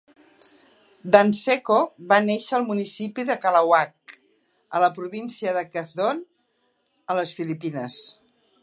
Danseco va néixer al municipi de Calauag, a la província de Quezon, a les Filipines.